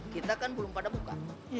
kita kan belum pada buka